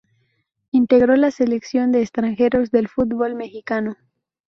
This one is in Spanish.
Integró la Selección de Extranjeros del fútbol mexicano.